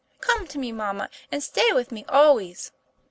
Come to me, mamma, and stay with me always."